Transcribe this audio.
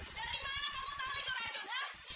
dari mana kamu tahu itu racun